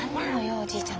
おじいちゃん